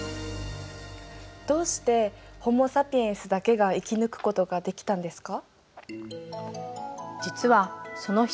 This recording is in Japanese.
どうしてホモ・サピエンスだけが生き抜くことができたんですか？